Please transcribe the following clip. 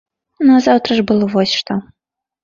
Назаўтра ж было вось што.